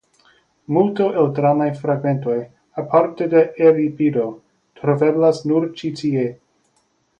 Multo el dramaj fragmentoj (aparte de Eŭripido) troveblas nur ĉi tie.